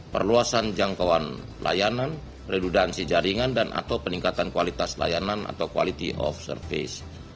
perluasan jangkauan layanan redudensi jaringan dan atau peningkatan kualitas layanan atau quality of service